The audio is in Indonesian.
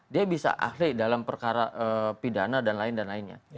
dia bisa ahli dalam perkara pidana dan lain lainnya